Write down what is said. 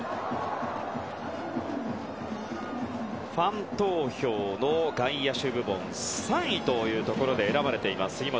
ファン投票の外野手部門３位ということで選ばれています、杉本。